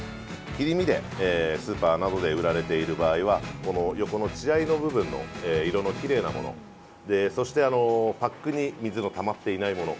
切り身でスーパーなどで売られている場合は横の血合いの部分の色のきれいなものそして、パックに水のたまっていないもの